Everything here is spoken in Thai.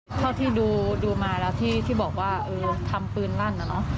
เท่าที่ดูมาแล้วที่บอกว่าเออทำปืนลั่นนะเนอะ